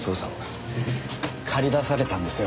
駆り出されたんですよ。